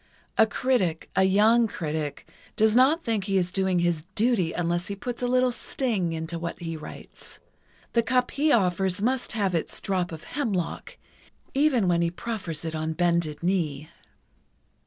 A critic—a young critic—does not think he is doing his duty unless he puts a little sting into what he writes. The cup he offers must have its drop of hemlock, even when he proffers it on bended knee."